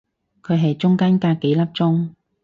佢係中間隔幾粒鐘